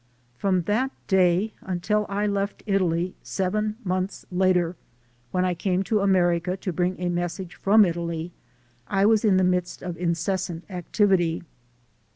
From that day until I left Italy, seven months later, when I came to America to bring a message from Italy, I was in the midst of incessant activity.